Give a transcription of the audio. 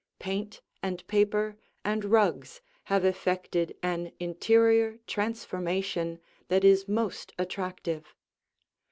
Paint and paper and rugs have effected an interior transformation that is most attractive.